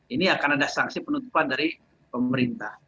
ini akan ada sanksi penutupan dari pemerintah